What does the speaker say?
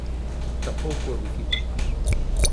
Tampouco o dicimos nós.